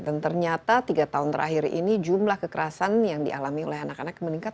dan ternyata tiga tahun terakhir ini jumlah kekerasan yang dialami oleh anak anak meningkat